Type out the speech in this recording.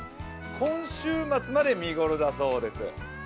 今週末まで見頃だそうです。